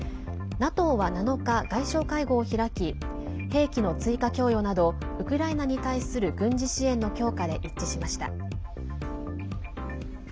ＮＡＴＯは７日、外相会合を開き兵器の追加供与などウクライナに対する軍事支援の強化で一致しました。